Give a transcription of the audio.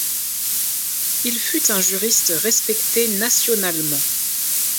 Il fut un juriste respecté nationalement.